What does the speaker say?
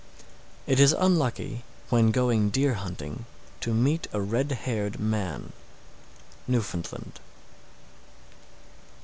_ 713. It is unlucky, when going deer hunting, to meet a red haired man. _Newfoundland.